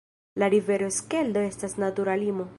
La rivero Skeldo estas natura limo.